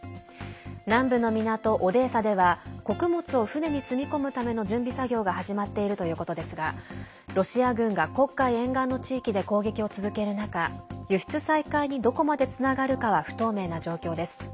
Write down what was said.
南部の港オデーサでは穀物を船に積み込むための準備作業が始まっているということですがロシア軍が、黒海沿岸の地域で攻撃を続ける中輸出再開にどこまでつながるかは不透明な状況です。